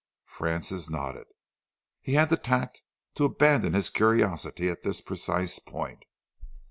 Francis nodded. He had the tact to abandon his curiosity at this precise point.